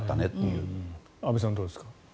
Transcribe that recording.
安部さん、どうですか。